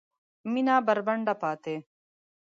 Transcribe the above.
مېنه بربنډه پاته